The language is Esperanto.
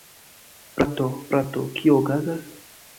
Frato, frato! Kio okazas?